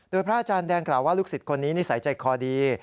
โดยพระอาจารย์แดงกล่าวว่าลูกศิษย์คนนี้นิสัยใจคอดี